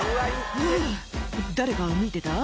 「ふぅ誰か見てた？